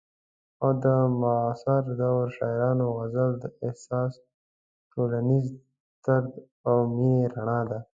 او د معاصر دور شاعرانو غزل د احساس، ټولنیز درد او مینې رڼا ده.